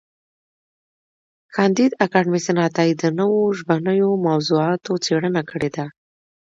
کانديد اکاډميسن عطايي د نوو ژبنیو موضوعاتو څېړنه کړې ده.